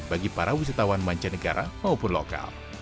bagi para wisatawan mancanegara maupun lokal